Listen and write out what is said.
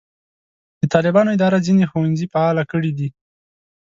د طالبانو اداره ځینې ښوونځي فعاله کړي دي.